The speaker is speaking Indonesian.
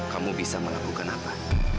kamu bisa melakukan apa